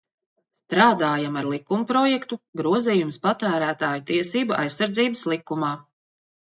"Strādājam ar likumprojektu "Grozījums Patērētāju tiesību aizsardzības likumā"."